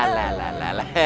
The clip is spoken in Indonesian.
lah lah lah